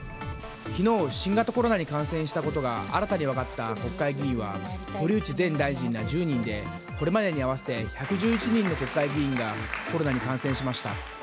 昨日新型コロナに感染したことが新たに分かった国会議員は堀内前大臣ら１０人でこれまでに合わせて１１１人の国会議員がコロナに感染しました。